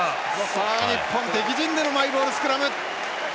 日本敵陣でのマイボールスクラム。